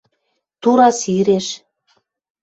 Тура сиреш